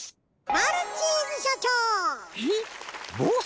マルチーズしょちょう！へ？